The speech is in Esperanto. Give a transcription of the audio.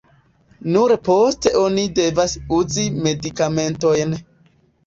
Nur poste oni devas uzi medikamentojn.